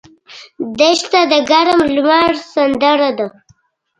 دښته د ګرم لمر سندره ده.